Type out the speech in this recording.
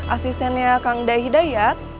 asistennya kang day hidayat